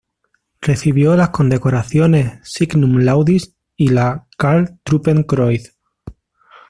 Recibió las condecoraciones "Signum Laudis", y la "Karl-Truppenkreuz".